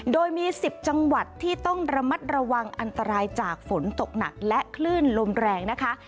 โดยมี๑๐จังหวัดที่ต้องระมัดระวังอันตรายจากฝนตกหนักและคลื่นลมแรงนะคะ